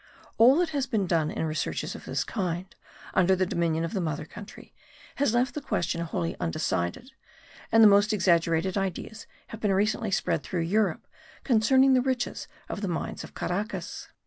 All that has been done in researches of this kind, under the dominion of the mother country, has left the question wholly undecided and the most exaggerated ideas have been recently spread through Europe concerning the riches of the mines of Caracas.